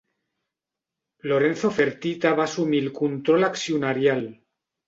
Lorenzo Fertitta va assumir el control accionarial.